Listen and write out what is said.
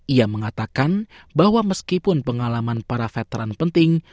ia mengatakan bahwa meskipun pengalaman para veteran penting